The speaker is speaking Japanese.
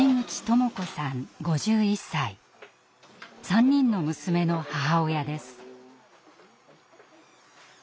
３人の娘の母親です。